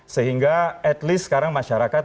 sehingga setidaknya sekarang masyarakat